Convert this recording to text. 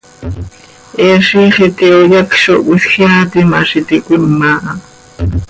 He ziix iti hoyacj zo cöhisjeaatim ha z iti cöima ha.